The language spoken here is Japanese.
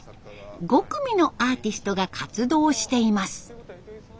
５組のアーティストが活動しています。